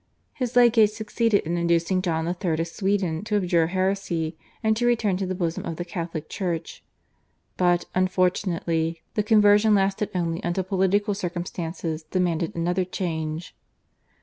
His legates succeeded in inducing John III. of Sweden to abjure heresy and to return to the bosom of the Catholic Church, but, unfortunately, the conversion lasted only until political circumstances demanded another change.